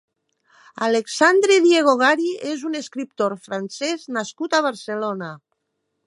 Alexandre Diego Gary és un escriptor francès nascut a Barcelona.